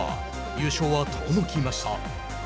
優勝は遠のきました。